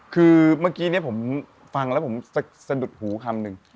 คือเมื่อกี้เนี่ยผมฟังแล้วผมสะดุดหูคำหนึ่ง